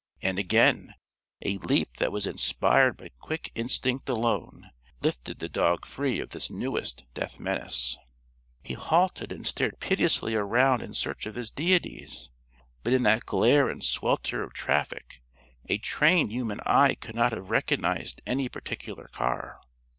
And again, a leap that was inspired by quick instinct alone, lifted the dog free of this newest death menace. He halted and stared piteously around in search of his deities. But in that glare and swelter of traffic, a trained human eye could not have recognized any particular car.